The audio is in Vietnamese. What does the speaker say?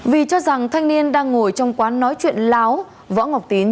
vì cho rằng thanh niên đang ngồi trong quán nói chuyện láo võ ngọc tín